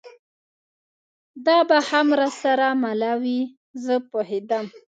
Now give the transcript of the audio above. دا به هم را سره مله وي، زه پوهېدم.